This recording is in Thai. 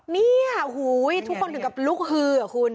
นี่ค่ะทุกคนถึงกับลุกฮือคุณ